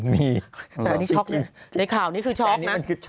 ในข่าวนี้คือช็อกนะ